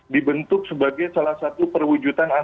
dibentuk sebagai salah satu perwujudan